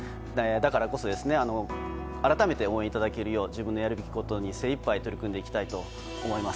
だからこそ改めて応援いただけるよう自分のやれることに精いっぱい取り組みたいと思います。